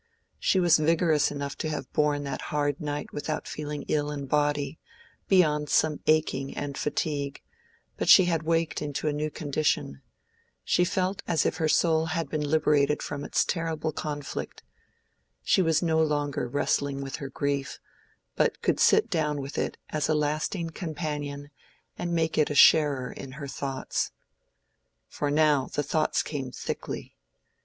She was vigorous enough to have borne that hard night without feeling ill in body, beyond some aching and fatigue; but she had waked to a new condition: she felt as if her soul had been liberated from its terrible conflict; she was no longer wrestling with her grief, but could sit down with it as a lasting companion and make it a sharer in her thoughts. For now the thoughts came thickly.